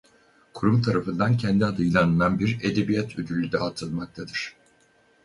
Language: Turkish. Kurum tarafından kendi adıyla anılan bir edebiyat ödülü dağıtılmaktadır.